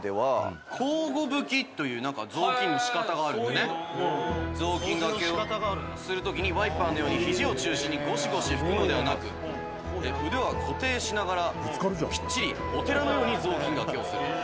「すごいいっぱいある」「雑巾がけをする時にワイパーのようにひじを中心にゴシゴシ拭くのではなく腕は固定しながらきっちりお寺のように雑巾がけをする」